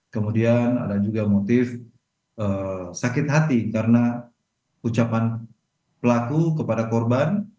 kemudian ada juga motif sakit hati karena ucapan pelaku kepada korban